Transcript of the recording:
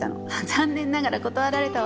残念ながら断られたわ。